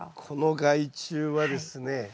この害虫はですね